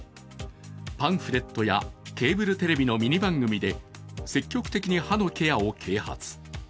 パンフレットやケーブルテレビのミニ番組で積極的に歯のケアを啓発。